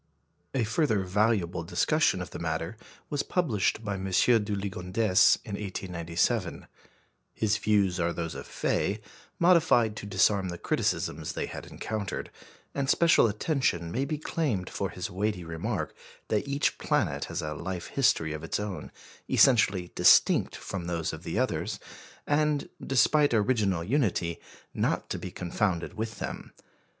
A further valuable discussion of the matter was published by M. du Ligondès in 1897. His views are those of Faye, modified to disarm the criticisms they had encountered; and special attention may be claimed for his weighty remark that each planet has a life history of its own, essentially distinct from those of the others, and, despite original unity, not to be confounded with them.